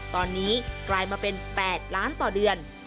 ตอนนี้กลายมาเป็น๘ล้านต่อเดือน